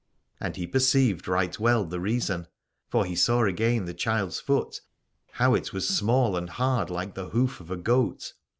And he perceived right well the reason : for he saw again the child's foot, how it was small and hard like the hoof of a goat.